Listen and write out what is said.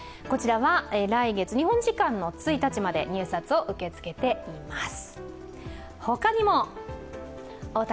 来月日本時間１日まで入札を受け付けています。